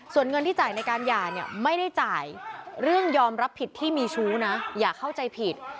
ส่วนเงินที่จ่ายในการหย่าเนี่ยไม่ได้จ่ายเรื่องยอมรับผิดที่มีชู้นะอย่าเข้าใจผิด